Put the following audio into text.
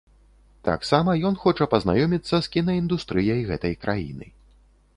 Таксама ён хоча пазнаёміцца з кінаіндустрыяй гэтай краіны.